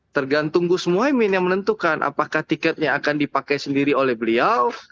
tergantung gus muhaymin yang menentukan apakah tiketnya akan dipakai sendiri oleh beliau